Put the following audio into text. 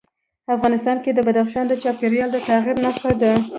افغانستان کې بدخشان د چاپېریال د تغیر نښه ده.